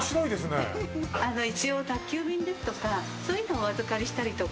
宅急便ですとかそういうのをお預かりしたりとか。